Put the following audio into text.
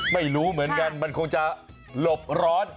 ไม่รู้เหมือนกันมันคงจะหลบร้อน